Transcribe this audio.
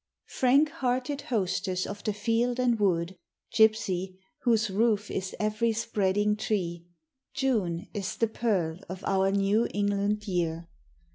TjlRANK HEARTED hostess of the field and wood, Gypsy, whose roof is every spreading tree, June is the pearl of our New England year.